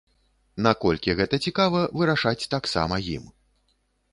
Наколькі гэта цікава, вырашаць таксама ім.